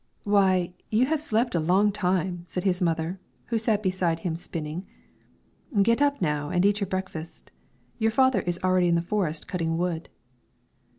"Why, you have slept a long time," said his mother, who sat beside him spinning. "Get up now and eat your breakfast; your father is already in the forest cutting wood."